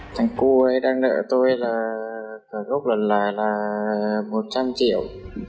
thằng cu ấy đang đợi tôi là ở gốc lần là một trăm linh triệu